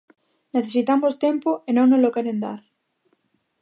Necesitamos tempo e non nolo queren dar.